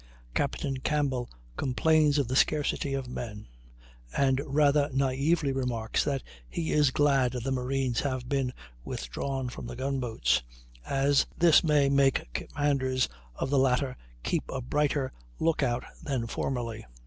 Captain Campbell complains of the scarcity of men, and rather naively remarks that he is glad the marines have been withdrawn from the gun boats, as this may make the commanders of the latter keep a brighter lookout than formerly.